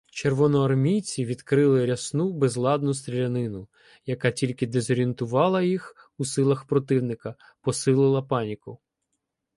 Червоноармійці відкрили рясну безладну стрілянину, яка тільки дезорієнтувала їх у силах противника, посилила паніку.